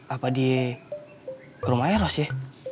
apa di rumah eros ya